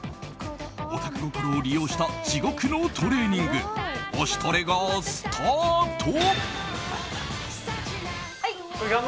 オタク心を利用した地獄のトレーニング推しトレがスタート！